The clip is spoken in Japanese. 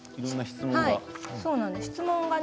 いろんな質問が。